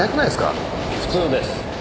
普通です。